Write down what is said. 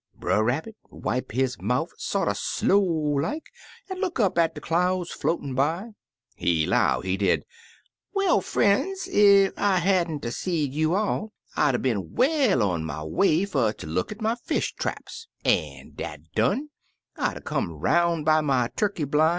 Brer Rabbit wipe his mouf sorter slow like, an' look up at de clouds floatin' by. He 'low, he did, *Well, frien's, ef I had n't 'a' seed you all, I 'd 'a' been well on my way fer ter look at my fish traps, an', dat done, I 'd 'a' come 'roun' by my turkey blin'.